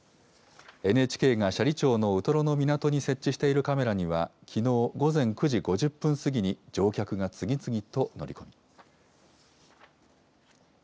ＮＨＫが斜里町のウトロの港に設置しているカメラには、きのう午前９時５０分過ぎに乗客が次々と乗り込み。